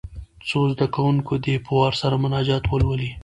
څو زده کوونکي دې په وار سره مناجات ولولي.